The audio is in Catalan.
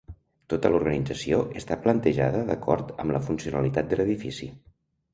Tota l'organització està plantejada d'acord amb la funcionalitat de l'edifici.